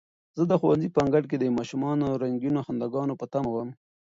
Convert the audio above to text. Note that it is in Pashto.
زه د ښوونځي په انګړ کې د ماشومانو د رنګینو خنداګانو په تمه وم.